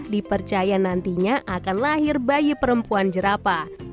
dipercaya nantinya akan lahir bayi perempuan jerapah